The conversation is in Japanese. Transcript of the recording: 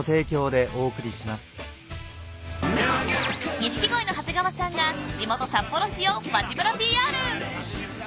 ［錦鯉の長谷川さんが地元札幌市を街ぶらＰＲ］